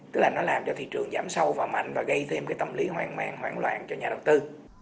tức là nó làm cho thị trường giảm sâu và mạnh và gây thêm cái tâm lý hoang mang hoảng loạn cho nhà đầu tư